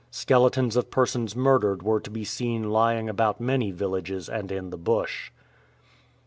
Skeletons of o persons murdered were to be seen lying about many villajres and in the bush."